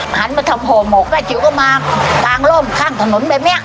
ผ่านมาทำโหโหมกป๊าจิ๋วก็มาจางโล่งข้างถนนไปแม่ะ